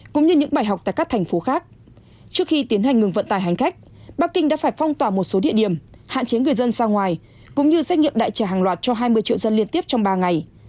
cũng như xét nghiệm đại trả hàng loạt cho hai mươi triệu dân liên tiếp trong ba ngày